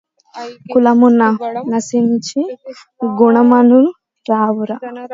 కులము ననుసరించి గుణములు రావురా